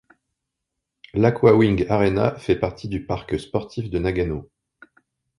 L'Aqua Wing Arena fait partie du Parc sportif de Nagano.